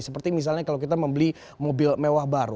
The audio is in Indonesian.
seperti misalnya kalau kita membeli mobil mewah baru